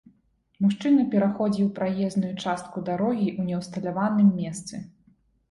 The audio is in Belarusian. Мужчына пераходзіў праезную частку дарогі ў неўсталяваным месцы.